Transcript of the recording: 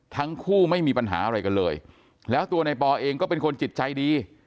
ทั้งคู่ไม่มีปัญหาอะไรกันเลยแล้วตัวในปอเองก็เป็นคนจิตใจดี